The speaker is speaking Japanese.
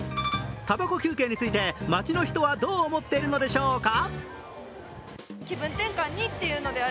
タバコ休憩について街の人はどう思っているのでしょうか。